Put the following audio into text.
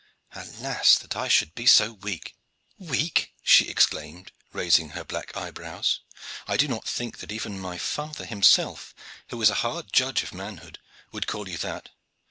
Alas! that I should still be so weak." "Weak!" she exclaimed, raising her black eyebrows. "I do not think that even my father himself, who is a hard judge of manhood, would call you that.